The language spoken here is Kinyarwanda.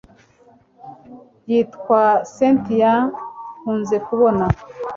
witwa cyntia nkunze kubona